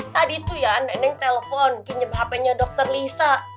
tadi tuh ya neneng telpon pinjem hp nya dokter lisa